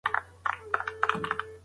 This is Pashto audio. پېښور او کابل تل سره تړلي دي.